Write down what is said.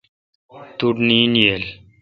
توٹھ نیند ییل۔